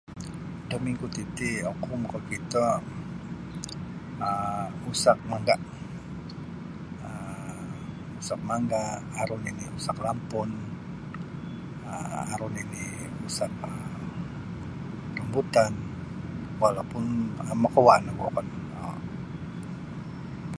Da minggu titi oku makakito um usak mangga' um usak mangga' aru nini' usak lampun aru nini' usak rambutan walaupun makauwa' nogu wokon um.